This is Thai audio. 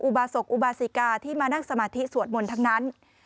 บาศกอุบาสิกาที่มานั่งสมาธิสวดมนต์ทั้งนั้น